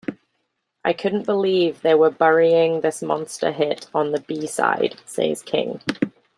"I couldn't believe they were burying this monster hit on the B-side", says King.